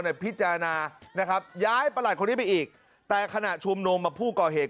พิจารณานะครับย้ายประหลัดคนนี้ไปอีกแต่ขณะชุมนุมผู้ก่อเหตุ